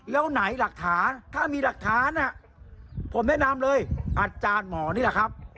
แล้วไหนหลักฐานถ้ามีหลักฐานผมแนะนำเลยอาจารย์หมอนี่แหละครับ